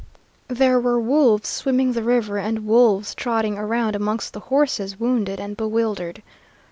There were wolves swimming the river and wolves trotting around amongst the horses, wounded and bewildered.